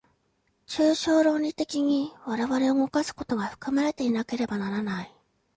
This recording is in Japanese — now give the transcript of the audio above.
抽象論理的に我々を動かすことが含まれていなければならない。